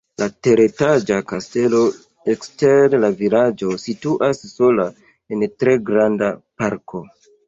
La teretaĝa kastelo ekster la vilaĝo situas sola en tre granda parko.